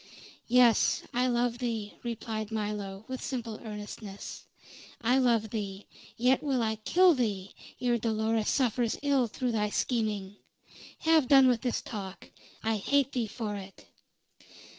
"Yes, I love thee," replied Milo, with simple earnestness. "I love thee; yet will I kill thee ere Dolores suffers ill through thy scheming. Have done with this talk. I hate thee for it!"